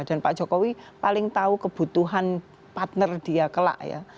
dan pak jokowi paling tahu kebutuhan partner dia kelak ya